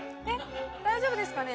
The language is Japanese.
大丈夫ですかね？